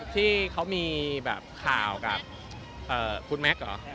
ที่เขามีแบบข่าวกับคุณแมค